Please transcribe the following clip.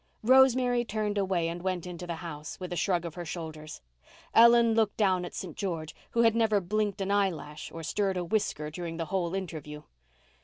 Rosemary turned away and went into the house, with a shrug of her shoulders. Ellen looked down at St. George, who had never blinked an eyelash or stirred a whisker during the whole interview.